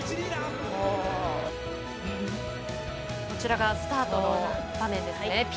こちらがスタートの場面ですね。